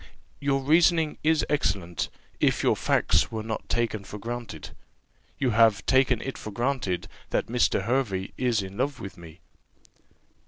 "Your reasoning is excellent, if your facts were not taken for granted. You have taken it for granted, that Mr. Hervey is in love with me."